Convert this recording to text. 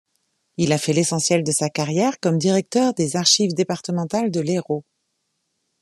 Il a fait l'essentiel de sa carrière comme directeur des Archives départementales de l'Hérault.